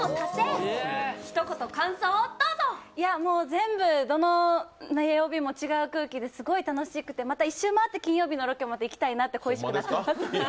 全部どの曜日も違う空気ですごい楽しくてまた一周回って金曜日のロケもいきたいなって恋しくなって。